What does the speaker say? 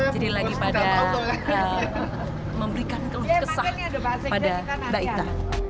jadi lagi pada memberikan kesah pada babita